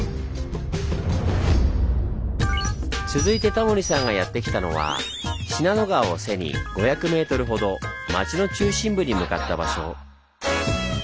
続いてタモリさんがやって来たのは信濃川を背に５００ｍほど町の中心部に向かった場所。